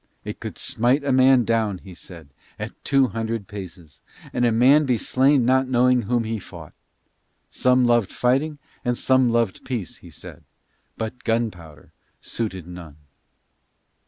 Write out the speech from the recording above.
It could smite a man down, he said, at two hundred paces, and a man be slain not knowing whom he fought. Some loved fighting and some loved peace, he said, but gunpowder suited none.